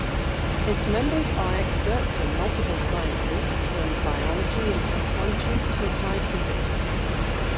Its members are experts in multiple sciences, from biology and psychology to applied physics.